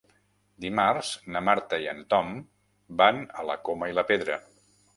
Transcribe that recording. Dimarts na Marta i en Tom van a la Coma i la Pedra.